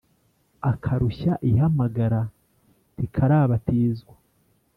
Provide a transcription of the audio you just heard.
• akarushya ihamagara ntikarabatizwa